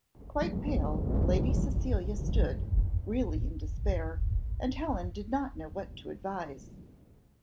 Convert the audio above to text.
Quite pale, Lady Cecilia stood, really in despair; and Helen did not know what to advise.